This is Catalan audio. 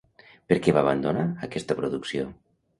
Per què va abandonar aquesta producció?